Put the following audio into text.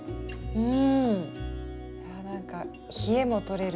うん。